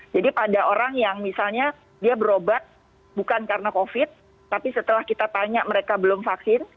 jadi pada orang yang misalnya dia berobat bukan karena covid tapi setelah kita tanya mereka belum vaksin